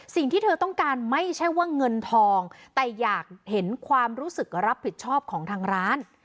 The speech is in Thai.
สิ่งที่เธอต้องการไม่ใช่ว่าเงินทองแต่อยากเห็นความรู้สึกรับผิดชอบของทางร้าน